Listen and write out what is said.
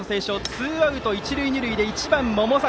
ツーアウト、一塁二塁で１番の百崎。